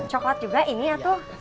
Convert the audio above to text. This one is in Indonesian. coklat juga ini yang tuh